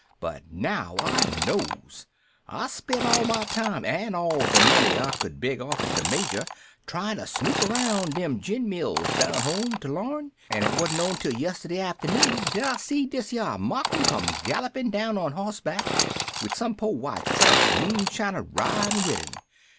But now I knows. I spent all my time an' all de money I could beg offen de major tryin' to snoop aroun' dem gin mills down home to l'arn. An' it wasn't ontel yestiddy afternoon dat I seen dis yere Marcum come galloping down on hossback, wid some poh white trash moonshiner ridin' wid 'im.